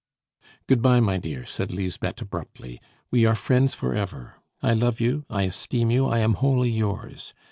"Good bye, my dear," said Lisbeth abruptly; "we are friends for ever. I love you, I esteem you, I am wholly yours!